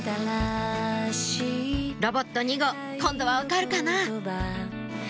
ロボット２号今度は分かるかな？